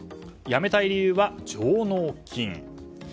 やめたい理由は上納金。